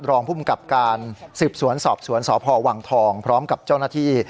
รองภูมิกับการสืบสวนสอบสวนสพวังทองพร้อมกับเจ้าหน้าที่